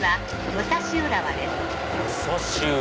武蔵浦和。